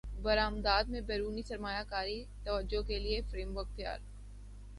برامدات میں بیرونی سرمایہ کی توجہ کیلئے فریم ورک تیار